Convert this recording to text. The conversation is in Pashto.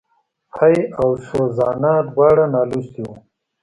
هېي او سوزانا دواړه نالوستي وو.